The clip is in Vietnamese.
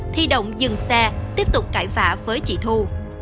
thì động dừng xe tiếp tục cải vã với chị thu